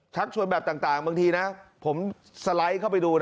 ชักชวนแบบต่างบางทีนะผมสไลด์เข้าไปดูนะ